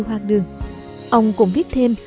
hoang đường ông cũng viết thêm